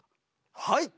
はい。